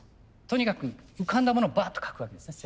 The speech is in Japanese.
とにかく浮かんだものをバーッと描くわけですね。